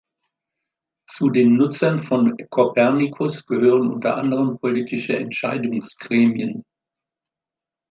Zu den Nutzern von Copernicus gehören unter anderem politische Entscheidungsgremien.